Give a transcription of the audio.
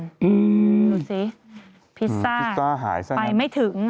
ดูสิพิซซ่าไปไม่ถึง